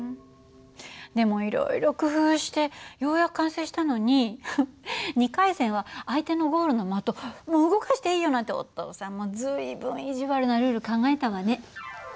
でもいろいろ工夫してようやく完成したのに２回戦は相手のゴールの的動かしていいよなんてお父さんも随分意地悪なルール考えたわね。